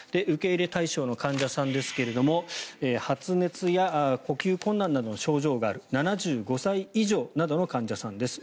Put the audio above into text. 受け入れ対象の患者さんですが発熱や呼吸困難などの症状がある７５歳以上などの患者さんと。